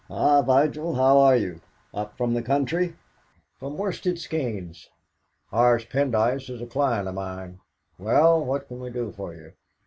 "Ah, Vigil, how are you? Up from the country?" "From Worsted Skeynes." "Horace Pendyce is a client of mine. Well, what can we do for you?